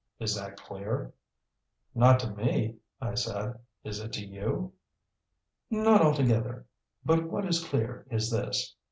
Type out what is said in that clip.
Is that clear?" "Not to me," I said. "Is it to you?" "Not altogether. But what is clear is this.